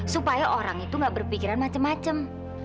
supaya orang itu gak berpikiran macem macem